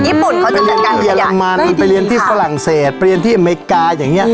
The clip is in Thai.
เขาจำเป็นการเรียนมาไปเรียนที่ฝรั่งเศสไปที่อเมกาอย่างนี้